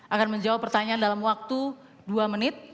akan menjawab pertanyaan dalam waktu dua menit